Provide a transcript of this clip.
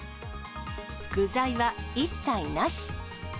具材は一切なし。